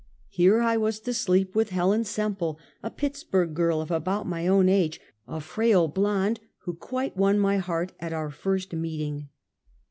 Here I was to sleep with Hel en Semple, a Pittsburg girl, of about my own age, a frail blonde, who quite won my heart at our first meeting.